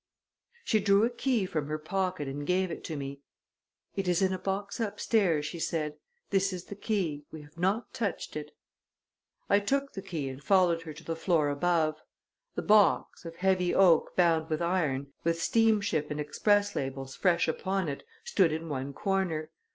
She drew a key from her pocket and gave it to me. "It is in a box upstairs," she said. "This is the key. We have not touched it." I took the key and followed her to the floor above. The box, of heavy oak bound with iron, with steamship and express labels fresh upon it, stood in one corner.